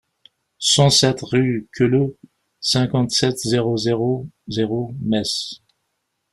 cent sept rue de Queuleu, cinquante-sept, zéro zéro zéro, Metz